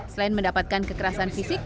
selain mendapatkan kekerasan fisik